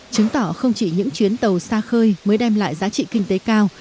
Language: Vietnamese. chứng tỏ không chỉ những chuyến tàu xa khơi mới đem lại giá trị kinh tế cao